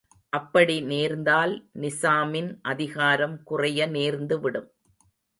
அப்படி நேர்ந்தால் நிசாமின் அதிகாரம் குறைய நேர்ந்துவிடும்.